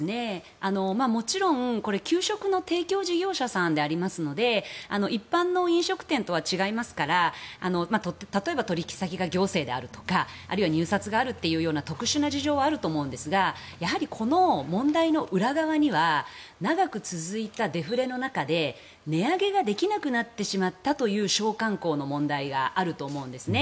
もちろん給食の提供事業者さんでありますので一般の飲食店とは違いますから例えば、取引先が行政であるとかあるいは入札があるという特殊な事情はあると思うんですがやはりこの問題の裏側には長く続いたデフレの中で値上げができなくなってしまったという商慣行の問題があると思うんですね。